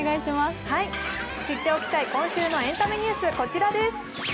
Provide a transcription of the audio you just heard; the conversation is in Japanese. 知っておきたい今週のエンタメニュース、こちらです。